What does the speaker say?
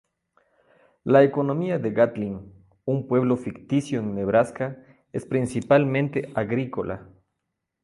La economía de Gatlin, un pueblo ficticio en Nebraska, es principalmente agrícola.